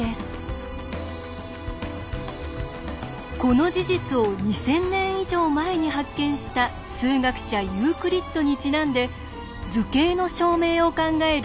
この事実を２，０００年以上前に発見した数学者ユークリッドにちなんで図形の証明を考える